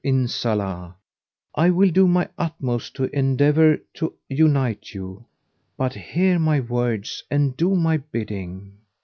Inshallah, I will do my utmost endeavour to unite you; but hear my words and do my bidding.